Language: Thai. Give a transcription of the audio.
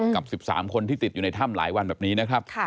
กับ๑๓คนที่ติดอยู่ในถ้ำหลายวันแบบนี้นะครับ